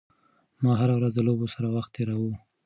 ما هره ورځ د لوبو سره وخت تېراوه.